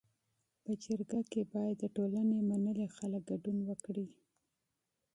په جرګه کي باید د ټولني منلي خلک ګډون وکړي.